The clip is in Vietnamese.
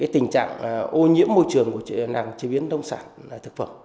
tình trạng ô nhiễm môi trường của nàng chế biến đông sản thực phẩm